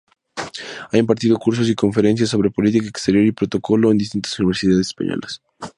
Ha impartido cursos y conferencias sobre política exterior y protocolo en distintas universidades españolas.